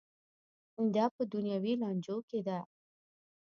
دا په دنیوي لانجو کې ده.